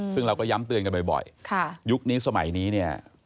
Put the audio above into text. ซึ่งเราก็ย้ำเตือนกันบ่อยยุคนี้สมัยนี้เนี่ย